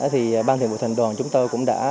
thì ban thuyền bộ thành đoàn chúng tôi cũng đã